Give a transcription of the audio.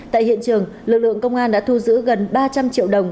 tại hiện trường lực lượng công an đã thu giữ gần ba trăm linh triệu đồng